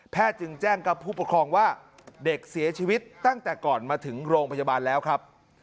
จึงแจ้งกับผู้ปกครองว่าเด็กเสียชีวิตตั้งแต่ก่อนมาถึงโรงพยาบาลแล้วครับ